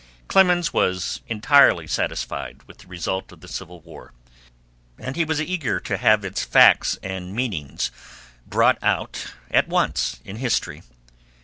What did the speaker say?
Clemens was entirely satisfied with the result of the Civil War, and he was eager to have its facts and meanings brought out at once in history.